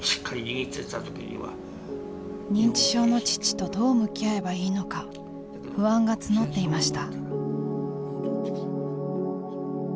認知症の父とどう向き合えばいいのか不安が募っていました。